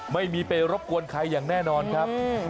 ไม่มีไปรบกวนใครอย่างแน่นอนครับ